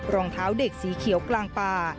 รองเท้าเด็กสีเขียวกลางป่า